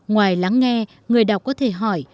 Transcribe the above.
ngoài lắng nghe người đọc có thể hỏi